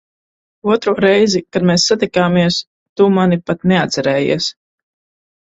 Otro reizi, kad mēs satikāmies, tu mani pat neatcerējies.